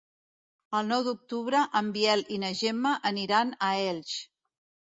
El nou d'octubre en Biel i na Gemma aniran a Elx.